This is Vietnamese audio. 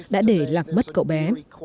đã để lạc mất cậu bé